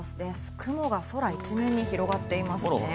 雲が空一面に広がっていますね。